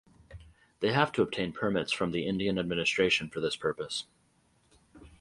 They have to obtain permits from the Indian administration for this purpose.